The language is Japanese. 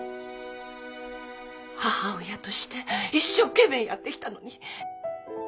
母親として一生懸命やってきたのに。